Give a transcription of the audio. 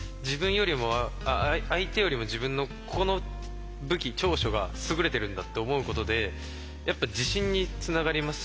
相手よりも自分のこの武器長所が優れてるんだって思うことでやっぱ自信につながりますし。